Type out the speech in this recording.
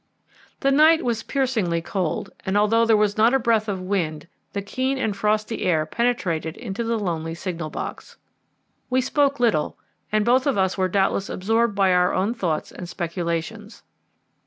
The night was piercingly cold, and, although there was not a breath of wind, the keen and frosty air penetrated into the lonely signal box. We spoke little, and both of us were doubtless absorbed by our own thoughts and speculations.